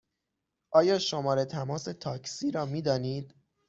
آیا شماره تماس تاکسی را می دانید؟